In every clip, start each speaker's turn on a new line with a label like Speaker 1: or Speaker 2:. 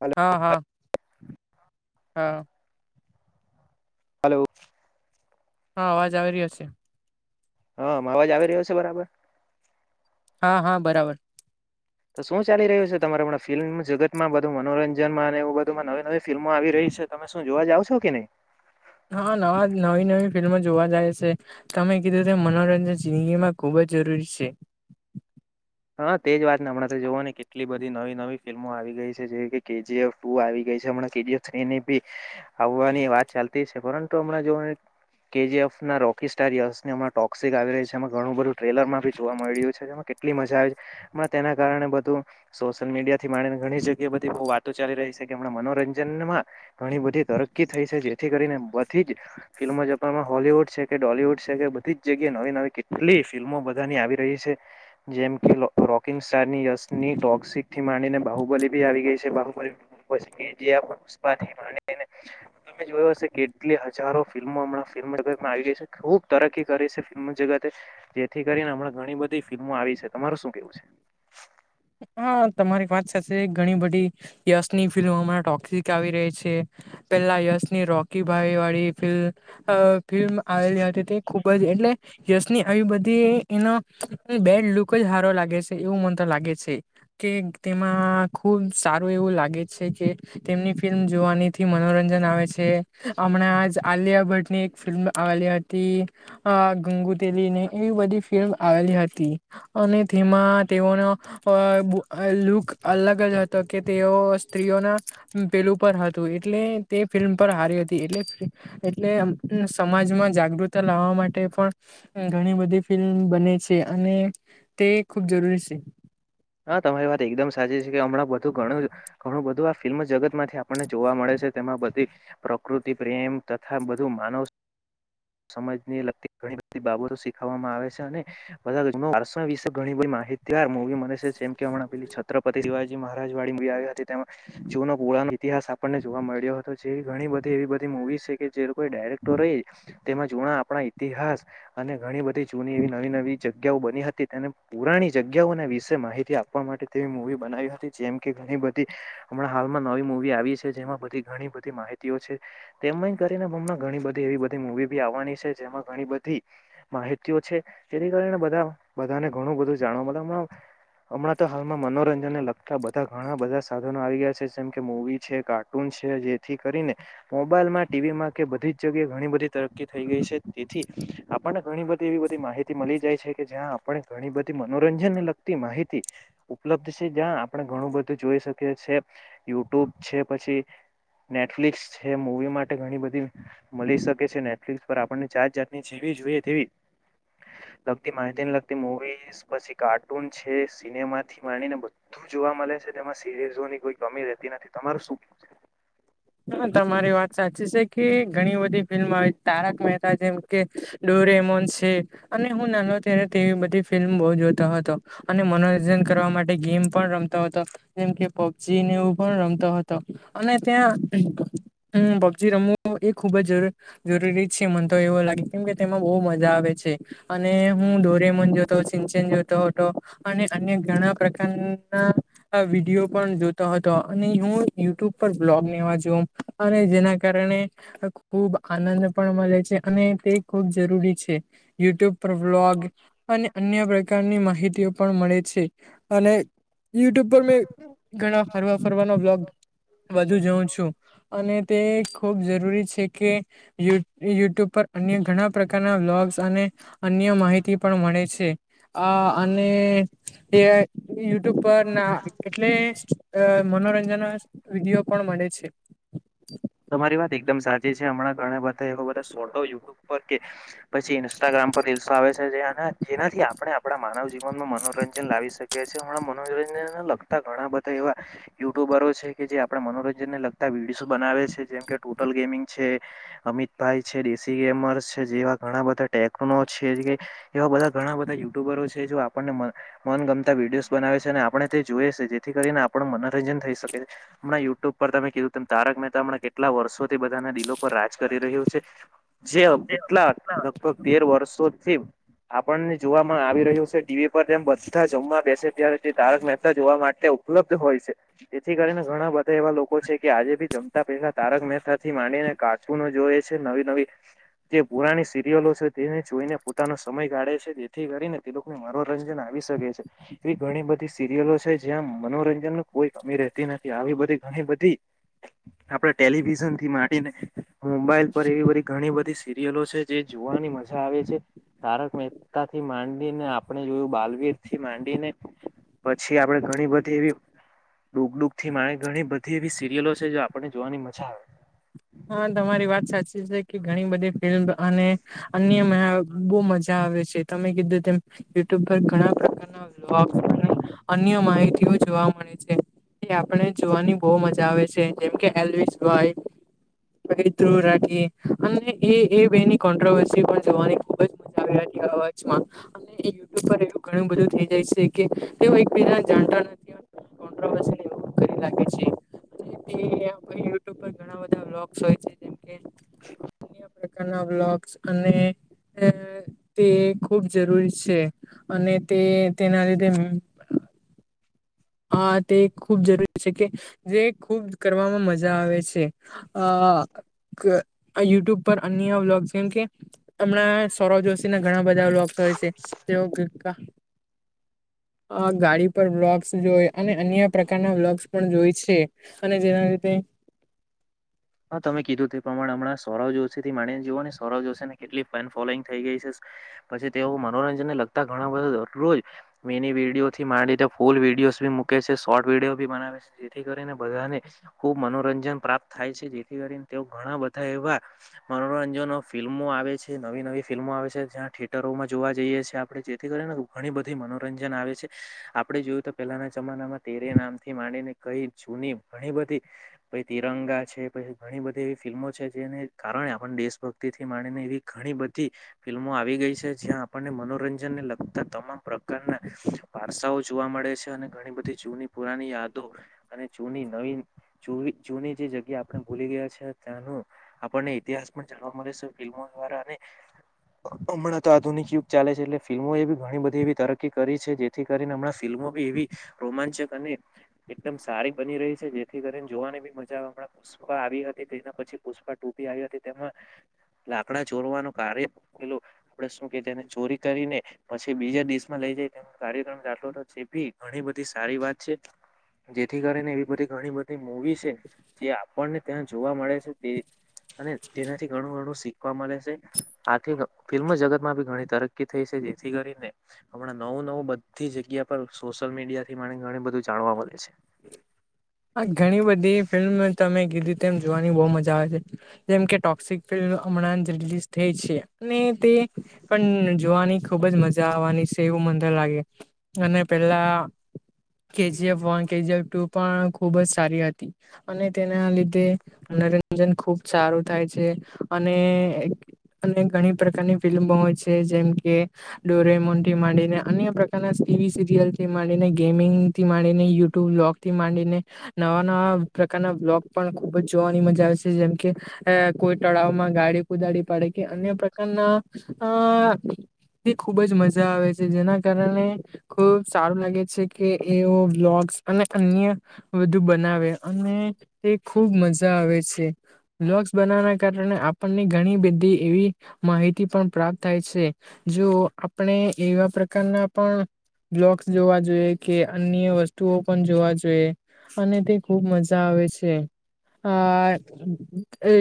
Speaker 1: Hello
Speaker 2: હા હા. હા.
Speaker 1: હલો.
Speaker 2: હા અવાજ આવી રહ્યો છે.
Speaker 1: હા અવાજ આવી રહ્યો છે બરાબર?
Speaker 2: હા હા બરાબર.
Speaker 1: તો શું ચાલી રહ્યું છે તમારેણા ફિલ્મ જગત માં બધું મનોરંજનમાં અને એવું બધુંમાં નવી નવી ફિલ્મો આવી રહી છે. તમે શું જોવા જાવ છો કે નહીં?
Speaker 2: હા નવા નવી નવી ફિલ્મો જોવા જાય છે તમે કીધું મનોરંજન જિંદગીમાં ખુબ જ જરૂરી છે.
Speaker 1: [inaudible] હા તેજ વાત ને હમણાં જોવો ને કેટલી બધી નવી નવી ફિલ્મો આવી ગઈ છે જે કેજી એફ ટુ આવી ગઈ છે. હમણાં કે જી એફ થ્રી ની બી આવવાની વાત ચાલતી છે પરંતુ હમણાં જો ને કેજીએફ ના રોકી સ્ટાર યશની હમણાંમાં ટોક્સિક આવી રહી છે. એમાં ઘણું બધું ટ્રેલરમાં ભી જોવા મળી રહ્યું છે. જેમાં કેટલી મજા તેના કારણે બધું સોશિયલ મીડિયા થી માને ઘણી જગ્યાએ બધી બી વાતો ચાલી રહી છે કે હમણાં મનોરંજનમાં ઘણી બધી તરકી થઈ છે જેથી કરીને બધી જ ફિલ્મો જાપાનમાં હોલી વુડ છે કે ડોલીવુડ છે કે બધી જ જગ્યાએ નવી નવી કેટલી ફિલ્મો બધાની આવી રહી છે. જેમ કે રોક રોકિંગ સ્ટાર ની યશની લોગ સીટ થી માંડીને બાહુબલી ભી આવી ગઈ છે. બાહુબલી જે તમે જોયો હશે કેટલી હજારો ફિલ્મો હમણાં ફ તમાં આવી ગઈ છે ખુબ તરકી કરી છે. ફિલ્મ જગતે જેથી કરીને હમણા ઘણી બધી ફિલ્મો આવી છે. તમારું શું કેવું છે?
Speaker 2: હા તમારી વાત સાચી ઘણી બધી યશની ફિલ્મમાં ટોકિક આવી રહી છે. પેલા યશની રોકી ભાઈ વાળી ફિલ્મ અ ફિલ્મ આવેલી હતી તે ખૂબ જ એટલે યશની આવી બધી એનો બેડ લુક જ સારો લાગે છે એવું મન તો લાગે છે. કે તેમાં ખુબ સારું એવું લાગે છે કે તેમની ફિલ્મ જોવાનીથી મ મનોરંજન આવે છે. હમણાં જ આલિયા ભટ્ટની એક ફિલ્મ આવેલી હતી. અ ગંગુ તેલી એવી બધી ફિલ્મ આવેલી હતી અને તેમાં તેઓનો પણ અ લુક અલગ જ હતો કે તેઓ સ્ત્રીઓના પેલું પર હતું. એટલે તે ફિલ્મ પર હારી હતી એટલે એટલે સમાજમાં જાગૃતતા લાવવા માટે પણ ઘણી બધી ફિલ્મ બને છે અને તે ખુબ જરૂરી છે.
Speaker 1: હા તમારી વાત એકદમ સાચી છે કે હમણાં બધું ઘણું બધું આ ફિલ્મ જગતમાંથી આપણને જોવા મળે તેમાં બધી પ્રકૃતિ પ્રેમ તથા બધું માનવ સમજ ને લગતી ઘણી બધી બાબતો શીખવામાં આવે છે અને બધા [unintelligible] ભાષા વિશે માહિતગાર મૂવી મળે છે. જેમ કે હમણાં છત્રપતિ શિવાજી મારાજ વાળી મૂવી આવી હતી. તેમાં જૂનો પુરાણો ઇતિહાસ આપણને જોવા મળે [unintelligible] ઘણી બધી એવી બધી મુવી છે કે જે લોકો ડાયરેક્ટર રહી તેમાં જુના આપણા ઈતિહાસ અને ઘણી બધી જૂની એ નવી નવી જગ્યાઓ બની હતી તેને પુરાની જગ્યાઓ વિશે માહિતી થી આપવા માટે તેવી મૂવી બનાવી હતી જેમ કે ઘણી બધી હમણાં હાલમાં નવી મૂવી આવી છે. જેમાં બધી ઘણી બધી માહિતી છે. તેમ કરીને ઘણી બધી એવી બધી મૂવી બી આવવાની છે. જેમાં ઘણી બધી માહિતીઓ છે. તેને કારણે બધા બધાને ઘણું બધું જાણવા મતલબ આમ હમણાં તો હાલમાં મનોરંજન ને લગતા બધા ઘણા બધા સાધનો આવી ગયા છે જેમ કે મૂવી છે કાર્ટૂન છે જેથી કરીને મોબાઈલ માં ટીવીમાં કે બધી જ જગ્યાએ ઘણી બધી તરક્કી થઈ ગઈ છે. તેથી આપણને ઘણી બધી એવી બધી માહિતી મળી જાય છે કે જ્યાં આપણે ઘણી બધી મનોરંજનને લગતી માહિતી ઉપલબ્ધ છે. જ્યાં આપણે ઘણું બધું જોઈ શકીએ છીએ યુટ્યુબ છે પછી નેટફ્લિક્સ છે મૂવી માટે ઘણી બધી મળી શકે છે. નેટફ્લિક્સ પર આપણને જાત જાત ની જેવી મૂવી જેવી જોઈએ તેવી લગતી માહિતીને લગતી મુવી પછી કાર્ટૂન છે સી સિનેમાથી માણીને બધું જોવા મળે છે તેમાં સિરીઝોની કોઈ કમી રહેતી નથી તમારે શું કેવું?
Speaker 2: હા તમારી વાત સાચી છે. કે ઘણી બધી ફિલ્મ આવે તારક મહેતા જેમ કે ડોરેમોન છે અને હું નાનું ત્યારે બધી ફિલ્મ બહુ જોતો હતો અને મનોરંજન કરવા માટે ગેમ પણ રમતો હતો. જેમ કે પબજી ને એવું પણ રમતો હતો અને ત્યાં હમ પબજી રમવું એ ખુબ જ જરૂરી જરૂરી છે મને તો એવો લાગે કેમ કે તેમાં બહુ મજા આવે. અને હું ડોરેમોન જોતો શીન ચેન જોતો હતો અને અન્ય ઘણા પ્રકાર હા વિડીયો પણ જોતો હતો અને હું યુટ્યુબ બ્લોગ ને એવા જો અને જેના કારણે ખુબ આનંદ પણ મળે છે અને તે ખુબ જરૂરી છે યુટ્યુબ બ્લોગ અને અન્ય પ્રકારની માહિતીઓ પણ મળે છે અને યુટ્યુબ પર મેં ઘણા ફરવા ફરવાનો બ્લોગ વધુ જોઉં છું. અને તે ખૂબ જરૂરી છે કે યુ યુટ્યુબ પર અન્ય ઘણા પ્રકારના બ્લોગ્સ અને અન્ય માહિતી પણ મળે છે આ અને ને યુટ્યુબ પર ના એટલે અ મનોરંજન ના પણ મળે છે.
Speaker 1: તમારી વાત એકદમ સાચી છે હમણાં ઘણા બધા એ બધાોટો યુટ્યુબ પર કે પછી ઇન્સ્ટાગ્રામ પર રીલ્સ આવે છે જેને જેનાથી આપણે આપણા માનવ જીવનમાં મનોરંજન લાવી શકીએ છીએ હણાં મનોરંજનને લગતા ઘણા બધા એવા યુટ્યુબરો છે કે જે આપડડા મનોરંજન ને લગતા વિડીયો બનાવે છે. જેમ કે ટોટલ ગેમિંગ છે અમિતભાઈ છે રિશી ગેમર જેવા ઘણા બધા ટે છે એવા બધા ઘણા બધા યુટ્યુબરો છે આપણને મન ગમતા વિડીયોઝ બનાવે છે અને આપણે તે જોઈએ છે જેથી કરીને આપણ મનોરંજન થઈ શકે છે હમણા યુટ્યુબ તમે કીધું તેમ તારકનેતામને કેટલાર્ષોથી બધાને દિલો ઉપ રાજ કરી રહ્યું છે જે કેટલા લગભગ તેર વર્ષોથી આપણને જોવામાં આવી રહ્યું છે ટીવી પર જેમ બધા જમવા બેસે ત્યારે તારક મહેતા જોવા માટે ઉપલબ્ધ હોય છે જેથી કરીને ઘણા બધા એવા લોકો છે કે આજે બી જમતા પહેલા તારક મહેતા થી માંડી કાચુ ન જોઈ છે નવી નવી જે પુરાણી સિરિયલો છે તેને જોઈને પોતાનો સમય ગાળે છે તેથી કરીને તે લોકોને મનોરંજન આવી. છે એ ઘણી બધી સીરિયલો છે જ્યાં મનોરંજન કોઈ કમી રહેતી નથી આવી બધી ઘણી આપણે ટેલિવિઝન થી ને મોબાઈલ પર એવી બધી ઘણી બધી સીરી યલો છે જે જોવાની મજા આવે છે તારક મહેતા થી માંડીને આપણે જોયું બાલવી થી માંડીને પછી આપડે ઘણી બધી એવી ડુગડુગ થી મારે ઘણી બધી એવી સિરિયલો છે જો આપને જોવાની મજા આવે.
Speaker 2: હા તમારી વાત સાચી છે કે ઘણી બધી ફિલ્મ અને અન્ય બો મજા [unintelligible] તમે કીધું તેમ યુટ્યુબ પર અન્ય માહિતી જોવા મળે છે એ આપણે જોવાની બહુ મજા આવે છે જેમકે એલવીસ ભાઈ ધ રાખી અને એ એ બેની કોન્ટ્રોવર્સી પણ જોવાની ખુબ જ મજા આવે. [unintelligible] યુટુબ પર એવ ઘણું બધું થઈ જાય છે કે એક બીજા જાણતા નથી. [unintelligible] સોઈ છે જેમ કે.
Speaker 1: [inaudible]
Speaker 2: અન્ય પ્રકારના બ્લોગસ અને હમ્મ. તે ખૂબ જરૂરી છે અને તે તેના લીધે હા તે ખૂબ જરૂરી છે કે જે ખૂબ કરવામાં મજા આવે છે આ યુટ્યુબ પર અન્ય વ્લોગ છે એમ કે હમણાં સૌરવ જોશી ના ઘણા બધા વલોગસ હોય છે [unintelligible] હ ગાડી પર જો અને અન્ય પ્રકારના વ્લગસ પણ જોય છે અને જેના લીધે
Speaker 1: હા તમે કીધું તે પ્રમાણે હમણાં સૌરવ જોશીથી માનીને જુઓ ને સૌરવ જોશીને કેટલી ફેન ફોલોઈંગ થઈ ગઈ છે પછી તેઓ મનોરંજન લગતા ઘણા બધા દરરોજ મેની વેડીયો થી માંડીધ ફૂલ વિડીયોઝ બી મૂકે છે શોર્ટ વિડીયો બી બનાવે છે જેથી કરીને બધાને ખુબ મનોરંજન પ્રાપ્ત થાય છે જેથી કરીને તેઓ ઘણા બધા એવા મનોરંજન ફિલ્મો આવે છે નવી નવી ફિલ્મો મેં આવે છે થિયેટરોમાં જોવા જઈએી આપણે જેથી કરીને ઘણી બધી મનોરંજન આવે છે આપણે જોયું તો પેલાના જમાનામાં તેરે નામથી માંડીને કઈ જૂની ઘણી બધી પ તિરંગ છે પછી ઘણી બધી એવી ફિલ્મો છે જેને કારણે આપણ દેશભક્તિ થી માણીને એવી ઘણી બધી ફિલ્મો આવી ગઈ છે જ્યાં આપણને મનોરંજન ને લગતા તમામ પ્રકારના વારસાઓ જોવા મળે છે અને ઘણી બધી જૂની પુરાની યાદો અને જૂની નવી જૂની જે જગ્યા આપને ભૂલી ગયા છે ત્યાંનું આપણને ઇતિહાસ પણ જાણવા મળે છે ફિલ્મો દ્વારા અને હમણાં તો આધુનિક યુગ ચાલે છે એટલે ફિલ્મો એ બી ઘણી બધી એવી તરકી કરી છે જેથી કરીને હમણાં ફિલ્મો બી એવી રોમાંચક અને એકદમ સારી બની રહી છે જેથી કરીને જોવાની બી મજા પુષ્પા આવી હતી તેના પછી પુષ્પા ડૂ પી આવી હતી તેમાં લાકડા ચોરવાનું કાર્ય પેલું આપડે શું કે તેને ચોરી કરીને પછી બીજા દસમાં લઈ જાય તેનો કાર્યક્રમ આટલો એ ભી ઘણી બધી સારી વાત છે જેથી કરીને એવી બધી ઘણી બધી મવી છે જે આપણને ત્યાં જોવા મળે છે તે અને જેનાથી ઘણું ઘણું શીખવા મળે છે આથી ફિલ્મ જગત માં બી ઘણી તરક્કી થઈ છે જેથી કરીને આપણા નવું નવું બધી જગ્યા પણ સોશિયલ મીડિયા થી મને ઘણ બધું જાણવા મળે છે
Speaker 2: આ ઘણી બધી ફિલ્મ તમે કીધી તેમ જોવાની બહુ મજા આવે છે જેમ કે ટોક્સિક ફિલ્મ હમણાં જ રલીઝ થઈ છે અને તે પણ જોવાની ખુબ જ મજા આવવાની છે એવું મંદર લાગે અને પેલા કેજીએફ વન કેજીએફ ટુ પણ ખુબ જ સારી હતી અને તેના લીધે મનોરંજન ખુબ સારું થાય છે અને અને ઘણી પ્રકારની ફિલ્મો હોય છે જેમ કે ડોરે મોઢી માંડીને અન્ય પ્રકારના ટીવી સિરિયલ થીને ગેમિંગ થી ને યુ લોગ થી માંડીને નવા નવા પ્રકારના્ બ્લોગ પણ ખુબ જ જોવાની મજા આવે છે જેમ કે એ કોઈ તળાવમાં ગાડી કુદાડી પડે કે અન્ય પ્રકારના અ ખુબ જ મજા આવે છે જેના કારણે ખ સારું લાગે છે કે એવ બ્લોગ અને અન્ય બધુ બનાવે અને તે ખુબ મજા આવે છે કારણે આપણને ઘણી બધી એવી માહિતી પણ પ્રાપ્ત થાય છે જો આપણે એવા પ્રકારના પણ બ્લોક્સ જોવા જોઈએ કે અન્ય વસ્તુ ટુ પણ જોવા જોઈએ અને તે ખુબ મજા આવે છે અ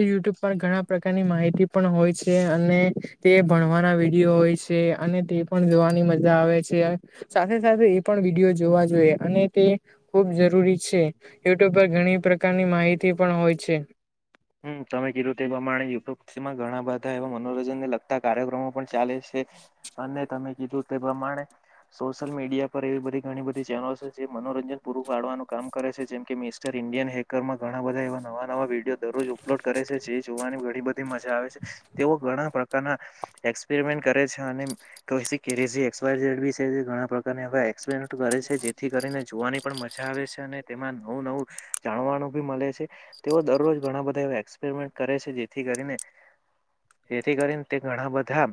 Speaker 2: યુટ્યુબ પર ઘણા પ્રકારની માહિતી પણ હોય છે અને તે ભણવાના વિડીયો હોય છે અને તે પણ જોવાની મજા આવે છે સાથે સાથે એ પણ વિડીિયો જોવા જોઈએ અને તે ખૂબ જરૂરી છે યુટ્યુબ પર ઘણી પ્રકારની માહિતી પણ હોય છે
Speaker 1: હમ તમે કીધું એ પ્રમાણે યુટ્યુબમાં ઘણા બધા એવા મનોરંજન ને લગતા કાર્યક્રમો પણ ચાલે છે અને તમે કીધું તે પ્રમાણે સોશલ મીડિયા પર એવી બધી ઘણી બધી ચેનોલો છે જે મનોરંજન પૂરું પાડવાનું કામ કર છે જેમ કે મિસ્ટર ઇન્ડિયન હેકર માં ઘણા બધા એવા નવા નવા વિડીયો દરરોજ અપલોડ કરે છે જે જોવાની ઘણી બધી મજા આવે છે તેઓ ઘણા પ્રકારના એક્સપેરમેન્ટ કરે છે અને કે જેી ઘણા પ્રકારને હવે એક્સપેન્ટ કરે છે જેથી કરીને જોવાની પણ મજા આવે છે અને તેમાં નવું નવું જાણવાનું ભી મળે છે તેઓ દરરોજ ઘણા બધા એવા એક્સપેરમેન્ટ કરે છે જેથી કરીને જેથી કરીને તે ઘણા બધા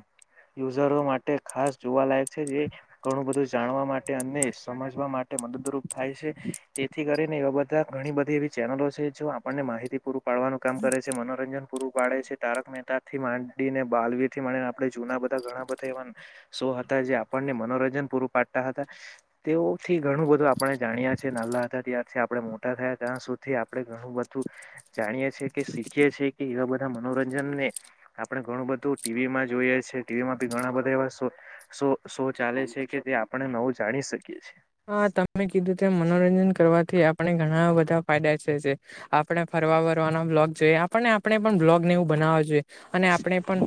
Speaker 1: યુઝરો માટે ખાસ જોવાલાયક છે જે ઘણું બધું જાણવા માટે અને સમજવા માટે મદદરૂપ થાય છે તેથી કરીને એવા બધા ઘણી બધી એવી ચેનલો છે જો આપણને માહિતી પૂર્વ પાડવાનું કામ કરે છે મનોરંજન પૂરું પાડે છે તારક મહેતા થી માંડીને બાલવીરથી માંડીને આપણે જૂના બધા ઘણા બધા એવા શો હતા જે આપણને મનોર જન પૂરું પાડતા હતા તેઓથી ઘણું બધું આપણે જાણ્યા છે નાલા હતા ત્યા રથી આપડે મોટા થયા ત્યાં સુધી આપડે ઘણું બધું જાણીએ છે કે શીખીએ છે કે એવા બ મનોરંજન ને આપણે ઘણું બધું ટીવી માં જોઈએ છે ટીવીમા બી ઘણા બધા એવા સો શો ચાલે છે કે તે આપણે નવું જાણી શકીએ છે
Speaker 2: હા તમે કીધું તેમ મનોરંજન કરવાથી આપણે ઘણા બધા ફાયદા છે આપણે ફ રવા બરવાના બ્લોગ જોઈએ આપને આપણે પણ બ્લોગને એવું બનાવા જોઈએ અને આપણે પણ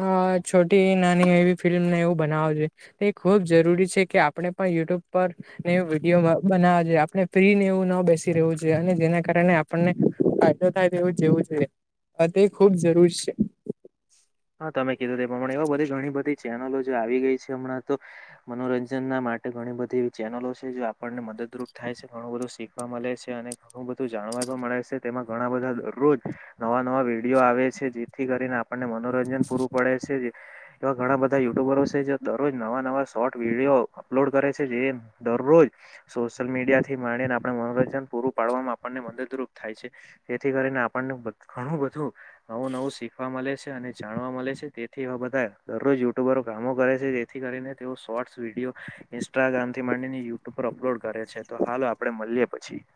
Speaker 2: અ છોટી નાની એવી ફિલ્મને એવું બનાવું જોઈએ એ ખૂબ જરૂરી છે કે આપણે પણ યુટ્યુબ પર ને વિડીયો બનાવ જોયે આપણે ફ્રી નેવું ન બેસી રહ્યું છે અને જેના કારણે આપણને ફાયદો થાય તેવું જોવું જોઈએ તે ખુબ જરૂર છે
Speaker 1: હા તમે કીધું તે પ્રમાણે એવું બધુ ઘણી બધી ચેનલો જે આવી ગઈ છે હમણાં તો મનોરંજન ના માટે ઘણી બધી એવી ચેનલો છે જે આપણને મદદરૂપ થાય છે ઘણું બધું શીખવા મલે છે અને ઘણું બધું જાણવા મળે છે તેમાં ઘણા બધા દરરોજ નવા નવા વિડીયો આવે છે જેથી કરીને આ ને મનોરંજન પૂરું પડે છે એવા ઘણા બધા યુટ્યુબરો છે જે દરરોજ નવા નવા શોર્ટ વિડીયો અપલોડ કરે છે જે દરરોજ સોશિયલ મીડિયા થી માંડીને આપડા મનોરંજન પૂરું પાડવામાં આપણને મદદરૂપ થાય છે જેથી કરીને આપણને ઘણું બધું નવું નવું શીખવા મલે સ અને જાણવા મલે છે તેથી એવા બધા દરરોજ યુટ્યુબરો કામો કરે છે જેથી કરીને તેઓ શોર્ટ્સ વિડીયો ઇન્સ્ટાગ્રામ થી માંડીને યુટ્યુબ પર અપલોડ કરે છે તો હાલ આપડે મલિયે પછી [inaudible]